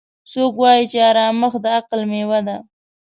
څوک وایي چې ارامښت د عقل میوه ده